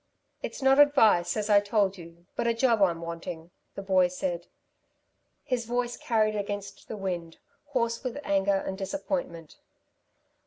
"It's not advice as I told you but a job I'm wanting," the boy said. His voice carried against the wind, hoarse with anger and disappointment.